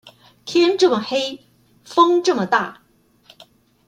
天這麼黑，風這麼大